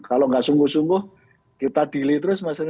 kalau nggak sungguh sungguh kita delay terus